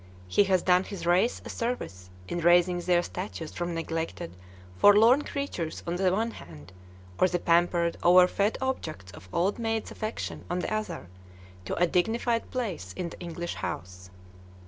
He has done his race a service in raising their status from neglected, forlorn creatures on the one hand, or the pampered, overfed object of old maids' affections on the other, to a dignified place in the English house.